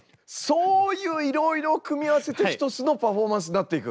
そういういろいろを組み合わせて一つのパフォーマンスになっていく？